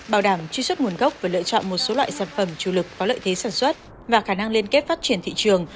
bảo đảm truy xuất nguồn gốc và lựa chọn một số loại sản phẩm chủ lực có lợi thế sản xuất và khả năng liên kết phát triển thị trường